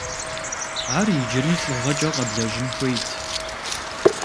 Ар иджыри лӏыгъэкӏэ къэблэжьын хуейт.